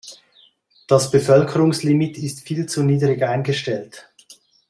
Das Bevölkerungslimit ist viel zu niedrig eingestellt.